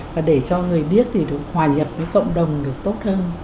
và để cho người biết thì được hòa nhập với cộng đồng được tốt hơn